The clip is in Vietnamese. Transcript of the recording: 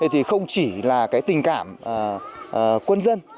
thì không chỉ là tình cảm quân dân